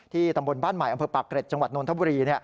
ตำบลบ้านใหม่อำเภอปากเกร็จจังหวัดนทบุรี